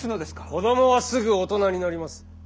子供はすぐ大人になります。